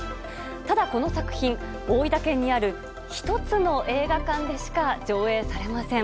ただ、この作品大分県にある１つの映画館でしか上映されません。